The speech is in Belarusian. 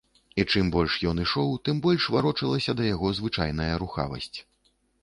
І чым больш ён ішоў, тым больш варочалася да яго звычайная рухавасць.